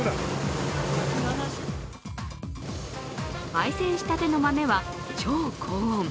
ばい煎したての豆は超高温。